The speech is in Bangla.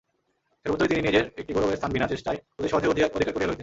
সর্বত্রই তিনি নিজের একটি গৌরবের স্থান বিনা চেষ্টায় অতি সহজেই অধিকার করিয়া লইতেন।